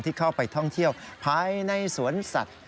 เข้าไปท่องเที่ยวภายในสวนสัตว์